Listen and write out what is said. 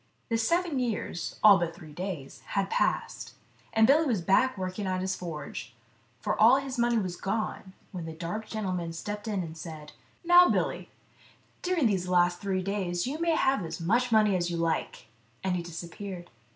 The seven years, all but three days, had passed, and Billy was back working at his forge, for all his money was gone, when the dark gentleman stepped in and said :" Now, Billy, during these last three days you may have as much money as you like," and he disappeared.